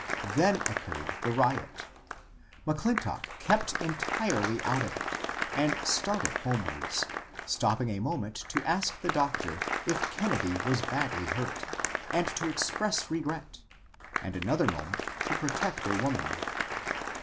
Then occurred the riot. M'Clintock kept en tirely oiit of it, and started homewards, stopping a moment to ask the doctor if Kennedy was badly hurt, and to express regret, and another moment to protect a woman.